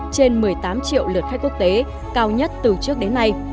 trên một mươi tám triệu lượt khách quốc tế cao nhất từ trước đến nay